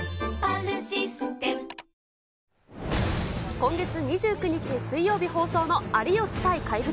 今月２９日水曜日放送の有吉対怪物。